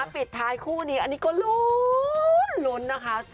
ปิดท้ายคู่นี้อันนี้ก็ลุ้นนะคะ